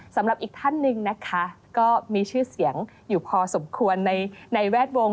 สำหรับอีกท่านหนึ่งนะคะก็มีชื่อเสียงอยู่พอสมควรในแวดวง